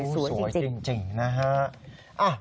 โอ้โฮสวยจริงนะฮะ